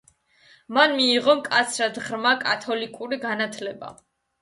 მან მიიღო მკაცრად ღრმა კათოლიკური განათლება.